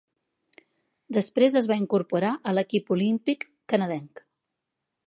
Després es va incorporar a l'equip olímpic canadenc.